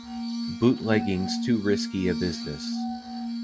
Bootlegging's too risky a business.